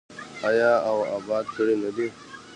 آیا او اباد کړی نه دی؟